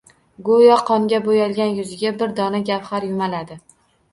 Go`yo qonga bo`yalgan yuziga bir dona gavhar yumaladi